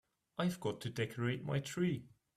I've got to decorate my tree.